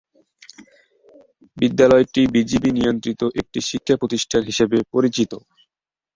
বিদ্যালয়টি বিজিবি নিয়ন্ত্রিত একটি শিক্ষা প্রতিষ্ঠান হিসাবে পরিচিত।